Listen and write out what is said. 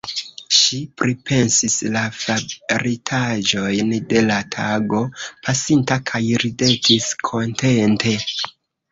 Ŝi pripensis la faritaĵojn de la tago pasinta kaj ridetis kontente.